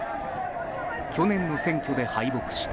去年の選挙で敗北した